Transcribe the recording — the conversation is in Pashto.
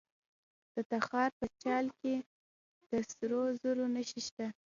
د تخار په چال کې د سرو زرو نښې شته.